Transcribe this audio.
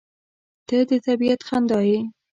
• ته د طبیعت خندا یې.